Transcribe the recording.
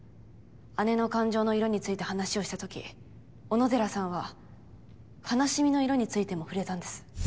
姉の感情の色について話をした時小野寺さんは「悲しみ」の色についても触れたんです。